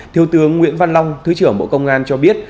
thiếu tướng nguyễn văn long thứ trưởng bộ công an cho biết